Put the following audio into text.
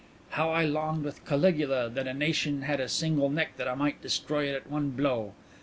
How I longed with Caligula that a nation had a single neck that I might destroy it at one blow.